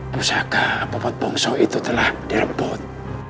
pusaka papat bongso itu telah dilebut